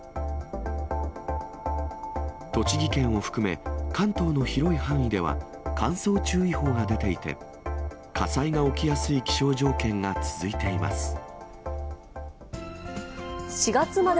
栃木県を含め、関東の広い範囲では乾燥注意報が出ていて、火災が起きやすい気象条件が続いています。